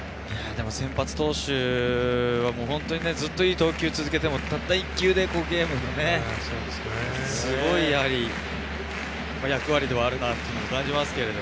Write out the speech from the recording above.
先発投手はずっといい投球を続けても、たった１球でゲームがすごい役割ではあるなと感じます。